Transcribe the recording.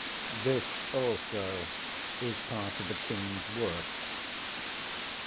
(This, also, is part of a kingŌĆÖs work.)